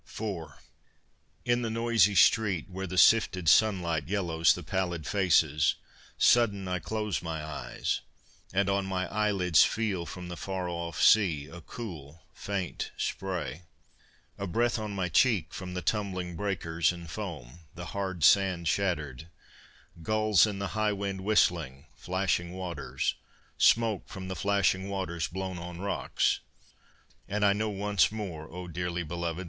IV In the noisy street, Where the sifted sunlight yellows the pallid faces, Sudden I close my eyes, and on my eyelids Feel from the far off sea a cool faint spray, A breath on my cheek, From the tumbling breakers and foam, the hard sand shattered, Gulls in the high wind whistling, flashing waters, Smoke from the flashing waters blown on rocks; And I know once more, O dearly belovèd!